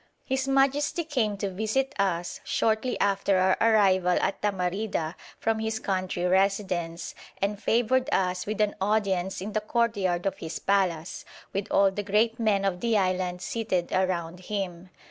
His Majesty came to visit us, shortly after our arrival at Tamarida, from his country residence, and favoured us with an audience in the courtyard of his palace, with all the great men of the island seated around him.